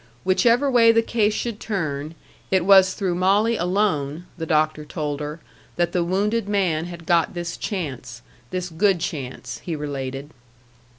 Whichever way the case should turn, it was through Molly alone (the doctor told her) that the wounded man had got this chance this good chance, he related.